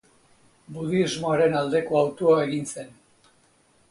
Budismoaren aldeko hautua egin zen.